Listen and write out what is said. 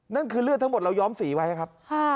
นั่นคือเลือดทั้งหมดเราย้อมสีไว้ครับ